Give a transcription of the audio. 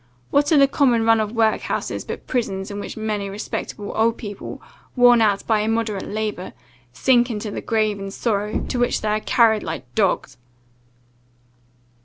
What are the common run of workhouses, but prisons, in which many respectable old people, worn out by immoderate labour, sink into the grave in sorrow, to which they are carried like dogs!"